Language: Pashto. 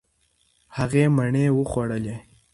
هغې مڼې وخوړلې.